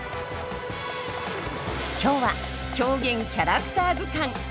今日は「狂言キャラクター図鑑」。